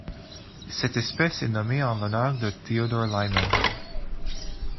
Cette espèce est nommée en l'honneur de Theodore Lyman.